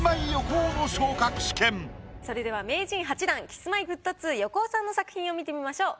それでは名人８段Ｋｉｓ−Ｍｙ−Ｆｔ２横尾さんの作品を見てみましょう。